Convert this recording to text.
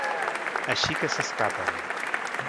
Així que s'escapen.